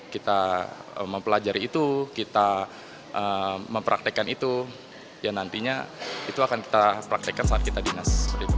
kita mempelajari itu kita mempraktekan itu ya nantinya itu akan kita praktekkan saat kita dinas